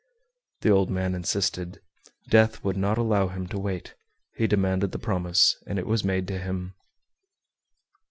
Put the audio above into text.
The old man insisted. Death would not allow him to wait; he demanded the promise, and it was made to him.